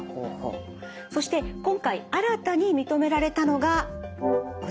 そして今回新たに認められたのがこちら経口中絶薬です。